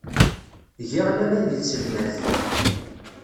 Giɣ laman deg tselmadt.